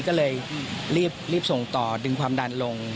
ก็เลยรีบส่งต่อดึงความดันลง